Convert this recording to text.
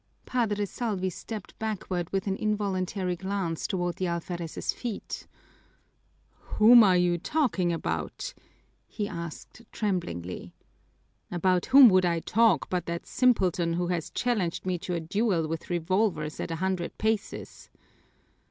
Padre Salvi stepped backward with an involuntary glance toward the alferez's feet. "Whom are you talking about?" he asked tremblingly. "About whom would I talk but that simpleton who has challenged me to a duel with revolvers at a hundred paces?"